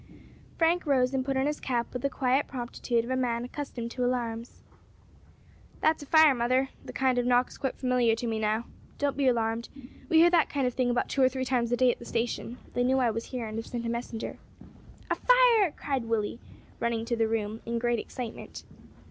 Frank rose and put on his cap with the quiet promptitude of a man accustomed to alarms. "That's a fire, mother; the kind of knock is quite familiar to me now. Don't be alarmed; we hear that kind of thing about two or three times a day at the station; they knew I was here, and have sent a messenger." "A fire!" cried Willie, running into the room in great excitement.